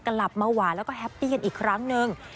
กลับมาหวานแล้วก็แฮปปี้กันอีกครั้งหนึ่ง